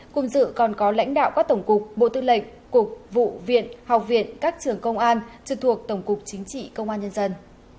cùng dự còn có lãnh đạo các tổng cục bộ tư lệnh cục vụ viện học viện các trường công an trực thuộc tổng cục chính trị công an nhân dân